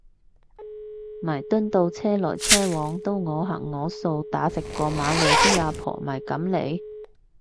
彌敦道車來車往都我行我素打直過馬路啲阿婆咪噉嚟